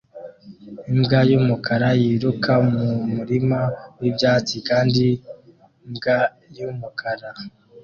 Imbwa y'umukara yiruka mu murima w'ibyatsi kandi indi mbwa y'umukara